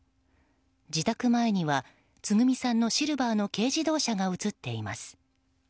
自宅前には、つぐみさんのシルバーの軽自動車が映っています。